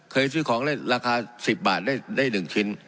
เคยซื้อของราคา๑๐บาทได้๑ชิ้น